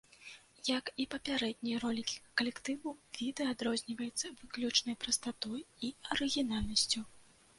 Як і папярэднія ролікі калектыву, відэа адрозніваецца выключнай прастатой і арыгінальнасцю.